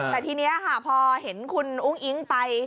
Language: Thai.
แต่ทีนี้ค่ะพอเห็นคุณอุ้งอิ๊งไป